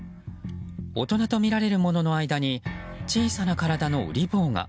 大人とみられるものの間に小さな体のうり坊が。